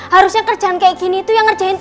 harusnya kerjaan kayak gini tuh yang ngerjain